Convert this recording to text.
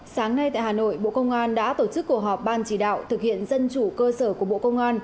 sáng nay tại hà nội bộ công an đã tổ chức cuộc họp ban chỉ đạo thực hiện dân chủ cơ sở của bộ công an